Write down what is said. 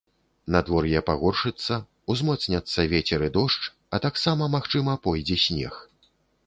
Надвор'е пагоршыцца, узмоцняцца вецер і дождж, а таксама, магчыма, пойдзе снег.